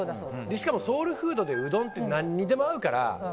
しかもソウルフードでうどんって何にでも合うから。